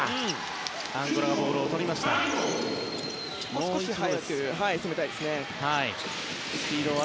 もう少し速く攻めたいですね。